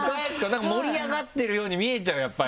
盛り上がってるように見えちゃうやっぱり。